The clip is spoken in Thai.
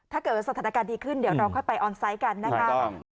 ถ้าเกิดสถานการณ์ดีขึ้นเดี๋ยวเราค่อยไปออนไซต์กันนะครับ